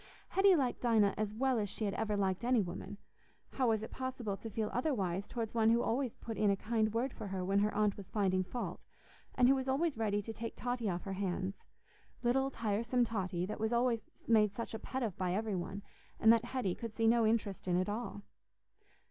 Hetty liked Dinah as well as she had ever liked any woman; how was it possible to feel otherwise towards one who always put in a kind word for her when her aunt was finding fault, and who was always ready to take Totty off her hands—little tiresome Totty, that was made such a pet of by every one, and that Hetty could see no interest in at all?